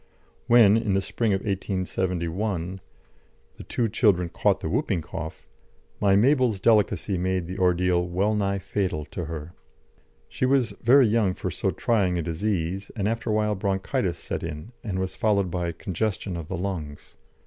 When, in the spring of 1871, the two children caught the whooping cough, my Mabel's delicacy made the ordeal well nigh fatal to her. She was very young for so trying a disease, and after a while bronchitis set in and was followed by congestion of the lungs.